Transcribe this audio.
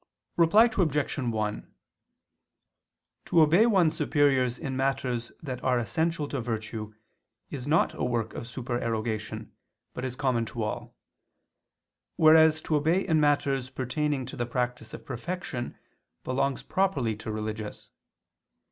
Reply Obj. 1: To obey one's superiors in matters that are essential to virtue is not a work of supererogation, but is common to all: whereas to obey in matters pertaining to the practice of perfection belongs properly to religious.